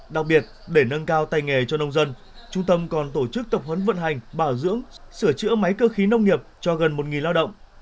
đặc biệt để nâng cao tay nghề cho nông dân trung tâm còn tổ chức tập huấn vận hành bảo dưỡng sửa chữa máy cơ khí nông nghiệp cho gần một lao động